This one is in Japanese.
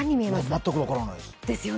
全く分からないです。